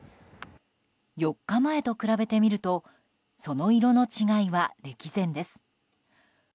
４日前と比べてみるとその色の違いは歴然です。